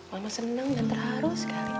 mama senang dan terharu sekali